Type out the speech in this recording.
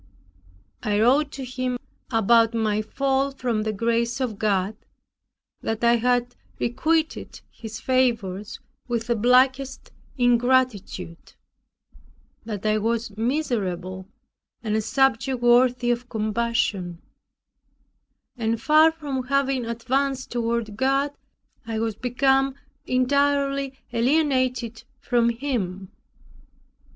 I wrote to him about my fall from the grace of God, that I had requited His favors with the blackest ingratitude; that I was miserable, and a subject worthy of compassion; and far from having advanced toward God, I was become entirely alienated from Him.